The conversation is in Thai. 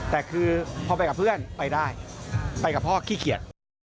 แต่คือพอไปกับเพื่อนไปได้ไปกับพ่อขี้เกียจ